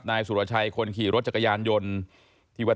นายสุรไชยคนขี่รถจักรยายนยนต์